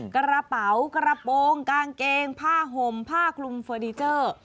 กระเป๋ากระโปรงกางเกงผ้าห่มผ้าคลุมเฟอร์นิเจอร์